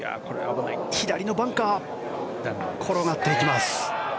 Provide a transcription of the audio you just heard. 左のバンカーに転がっていきます。